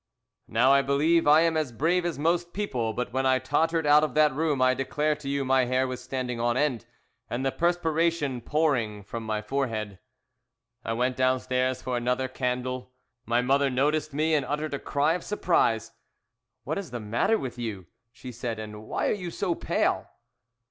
"Now I believe I am as brave as most people, but when I tottered out of that room I declare to you my hair was standing on end and the perspiration pouring from my forehead. "I went downstairs for another candle. My mother noticed me, and uttered a cry of surprise. "'What is the matter with you,' she said, 'and why are you so pale?'